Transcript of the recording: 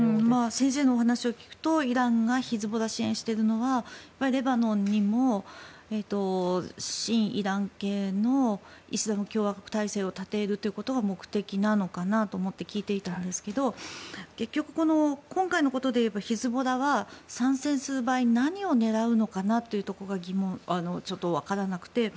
先生のお話を聞くとイランがヒズボラを支援しているのはレバノンにも親イラン系のイスラム共和国体制を立てるということが目的なのかなと聞いていたんですけど結局、今回のことでいえばヒズボラは参戦する場合何を狙うのかなというのがちょっと分からなくて。